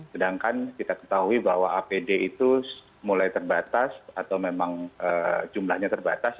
sedangkan kita ketahui bahwa apd itu mulai terbatas atau memang jumlahnya terbatas